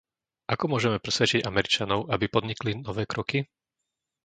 Ako môžeme presvedčiť Američanov, aby podnikli nové kroky?